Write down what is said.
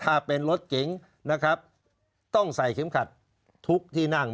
ถ้าเป็นรถเก๋งนะครับต้องใส่เข็มขัดทุกที่นั่ง